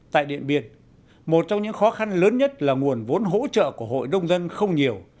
tại điện biên một trong những khó khăn lớn nhất là nguồn vốn hỗ trợ của hội đông dân không nhiều